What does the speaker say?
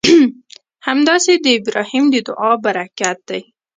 همداسې د ابراهیم د دعا برکت دی.